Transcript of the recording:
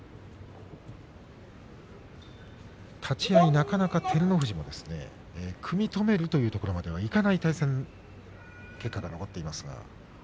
立ち合い、なかなか照ノ富士も組み止めるというところまでいかないという結果が残っています。